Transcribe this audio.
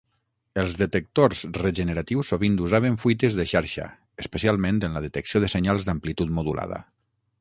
Els detectors regeneratius sovint usaven fuites de xarxa, especialment en la detecció de senyals d'amplitud modulada.